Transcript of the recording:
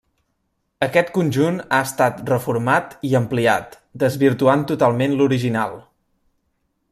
Aquest conjunt ha estat reformat i ampliat, desvirtuant totalment l'original.